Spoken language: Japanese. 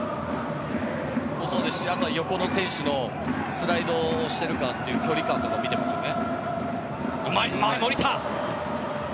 それもそうですし、横の選手のスライドしてるかという距離感とかも見てますよね。